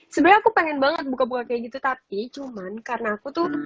sebenarnya aku pengen banget buka buka kayak gitu tapi cuman karena aku tuh